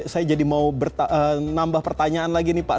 saya jadi mau nambah pertanyaan lagi nih pak